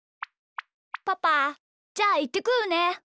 パパじゃあいってくるね。